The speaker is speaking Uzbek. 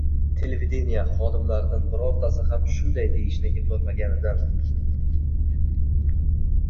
televideniye xodimlaridan birortasi ham “shunday!”, deyishni eplolmaganidan